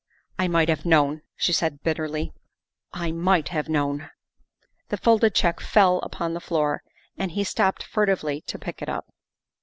" I might have known," she said bitterly, " I might have known." The folded check fell upon the floor and he stooped furtively to pick it up.